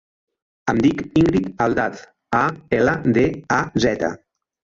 Em dic Íngrid Aldaz: a, ela, de, a, zeta.